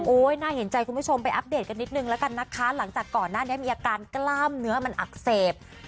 น่าเห็นใจคุณผู้ชมไปอัปเดตกันนิดนึงแล้วกันนะคะหลังจากก่อนหน้านี้มีอาการกล้ามเนื้อมันอักเสบ